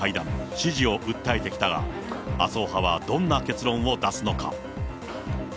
支持を訴えてきたが、麻生派はどんな結論を出すのか。